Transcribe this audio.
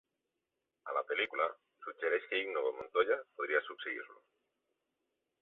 A la pel·lícula, suggereix que Inigo Montoya podria succeir-lo.